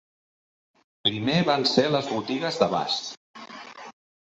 Primer van ser les botigues d'abast.